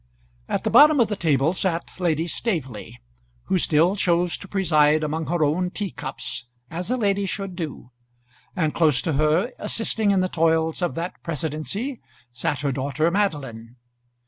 At the bottom of the table sat Lady Staveley, who still chose to preside among her own tea cups as a lady should do; and close to her, assisting in the toils of that presidency, sat her daughter Madeline.